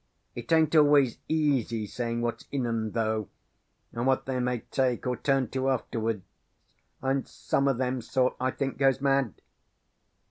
"It ain't always easy sayin' what's in 'em though, and what they may take or turn to afterwards; and some o' them sort, I think, goes mad."